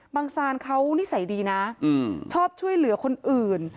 ซานเขานิสัยดีนะชอบช่วยเหลือคนอื่น